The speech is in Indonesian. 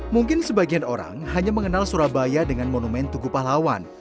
mungkin sebagian orang hanya mengenal surabaya dengan monumen tugu pahlawan